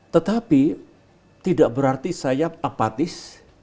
tetapi tidak berarti saya apatis